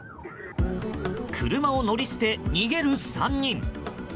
車を乗り捨て、逃げる３人。